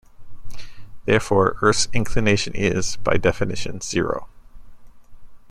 Therefore, Earth's inclination is, by definition, zero.